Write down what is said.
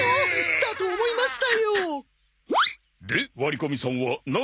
だと思いました。